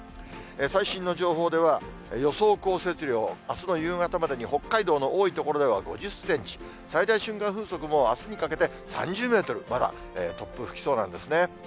最新の情報では、予想降雪量、あすの夕方までに北海道の多い所では５０センチ、最大瞬間風速もあすにかけて３０メートル、まだ突風、吹きそうなんですね。